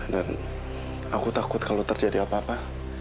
dan aku takut kalo terjadi apa apa